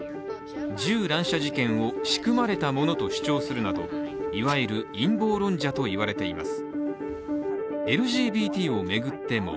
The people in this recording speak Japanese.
銃乱射事件を、仕組まれたものと主張するなどいわゆる陰謀論者と言われています。